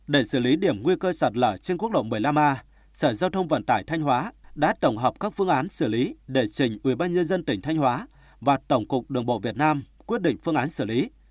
để xử lý điểm nguy cơ sạt lở trên quốc lộ một mươi năm a sở giao thông vận tải thanh hóa đã tổng hợp các phương án xử lý để trình ubnd tỉnh thanh hóa và tổng cục đường bộ việt nam quyết định phương án xử lý